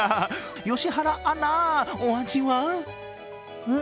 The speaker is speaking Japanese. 良原アナ、お味は？